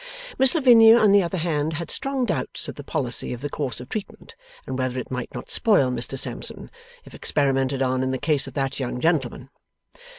Miss Lavinia, on the other hand, had strong doubts of the policy of the course of treatment, and whether it might not spoil Mr Sampson, if experimented on in the case of that young gentleman.